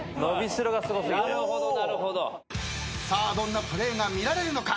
さあどんなプレーが見られるのか。